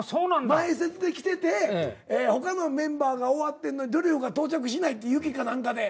前説で来てて他のメンバーが終わってんのにドリフが到着しないって雪か何かで。